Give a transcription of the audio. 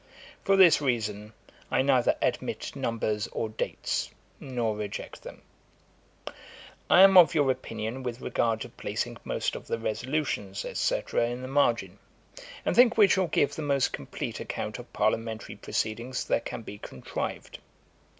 For this reason, I neither admit numbers or dates, nor reject them. [Page 156: Payment for work. A.D. 1742.] 'I am of your opinion with regard to placing most of the resolutions &c., in the margin, and think we shall give the most complete account of Parliamentary proceedings that can be contrived.